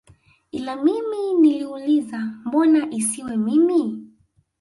Ila mimi niliuliza mbona isiwe mimi